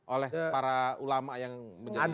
oleh para ulama yang menjadi